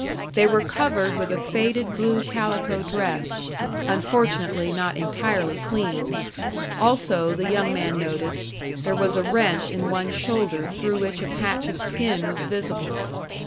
They were covered with a faded blue calico dress, unfortunately not entirely clean; also, the young man noticed, there was a rent in one shoulder through which a patch of skin was visible.